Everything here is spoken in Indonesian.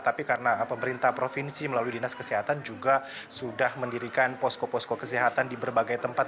tapi karena pemerintah provinsi melalui dinas kesehatan juga sudah mendirikan posko posko kesehatan di berbagai tempat